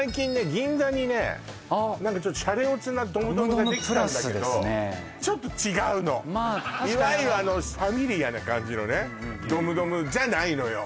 銀座にね何かちょっとあっシャレオツなドムドムができたんだけどドムドムプラスですねちょっと違うのまあ確かにいわゆるあのファミリアな感じのドムドムじゃないのよ